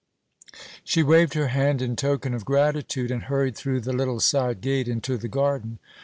She waved her hand in token of gratitude, and hurried through the little side gate into the garden.